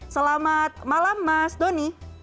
selamat malam mas doni